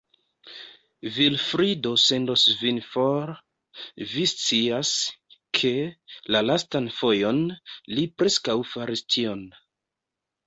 Vilfrido sendos vin for; vi scias, ke, la lastan fojon, li preskaŭ faris tion.